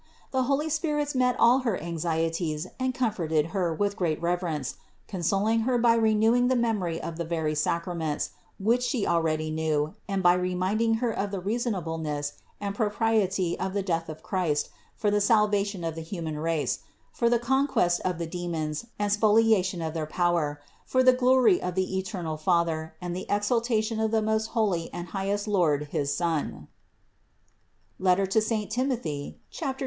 The holy spirits met all her anxieties and com forted her with great reverence, consoling Her by re newing the memory of the very sacraments, which She already knew and by reminding Her of the reasonable ness and propriety of the death of Christ for the salva tion of the human race, for the conquest of the demons and spoliation of their power, for the glory of the eternal Father and the exaltation of the most holy and highest Lord his Son (Tim. 2, 14).